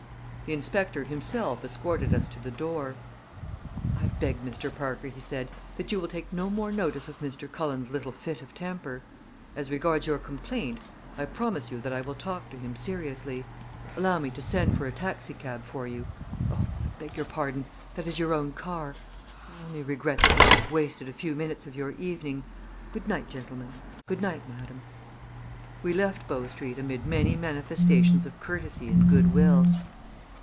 The inspector himself escorted us to the door. "I beg, Mr. Parker," he said, "that you will take no more notice of Mr. Cullen's little fit of temper. As regards your complaint, I promise you that I will talk to him seriously. Allow me to send for a taxicab for you. Oh! I beg your pardon that is your own car. I only regret that we should have wasted a few minutes of your evening. Good night, gentlemen! Good night, madam!" We left Bow Street amid many manifestations of courtesy and good will.